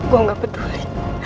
gue gak peduli